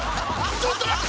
ちょっと待って。